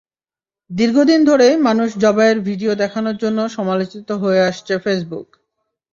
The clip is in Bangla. দীর্ঘদিন ধরেই মানুষ জবাইয়ের ভিডিও দেখানোর জন্য সমালোচিত হয়ে আসছে ফেসবুক।